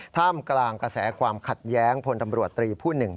ท่ามกลางกระแสความขัดแย้งพลตำรวจตรีผู้หนึ่ง